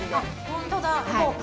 本当だ。